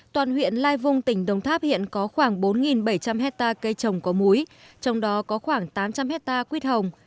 toàn huyện lai vung tỉnh đồng tháp hiện có khoảng bốn bảy trăm linh hectare cây trồng có múi trong đó có khoảng tám trăm linh hectare quyết hồng